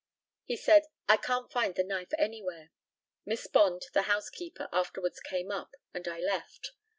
He said, "I can't find the knife anywhere." Miss Bond, the housekeeper, afterwards came up, and I left.